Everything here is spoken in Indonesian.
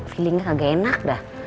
feelingnya kagak enak dah